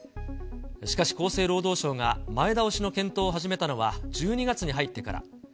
しかし厚生労働省が前倒しの検討を始めたのは１２月に入ってから。